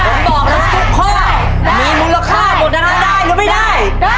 ผมบอกแล้วทุกข้อมีมูลค่าหมดทั้งนั้นได้หรือไม่ได้